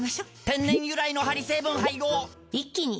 天然由来のハリ成分配合一気に！